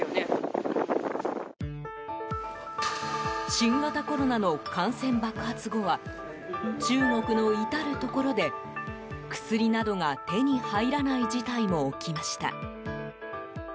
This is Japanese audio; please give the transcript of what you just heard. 新型コロナの感染爆発後は中国の至るところで薬などが手に入らない事態も起きました。